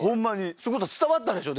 すごさ伝わったでしょ？